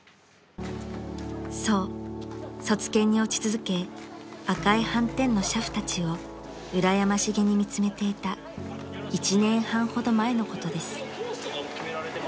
［そう卒検に落ち続け赤いはんてんの俥夫たちをうらやましげに見つめていた１年半ほど前のことです］